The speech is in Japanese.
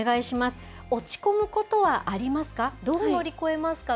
落ち込むことはありますか？